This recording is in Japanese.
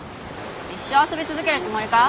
一生遊び続けるつもりか？